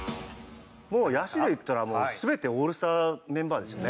もう野手で言ったら全てオールスターメンバーですよね。